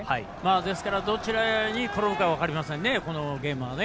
ですから、どちらに転ぶか分かりませんね、このゲームは。